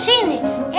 ini pas ya